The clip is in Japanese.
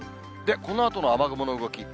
このあとの雨雲の動き。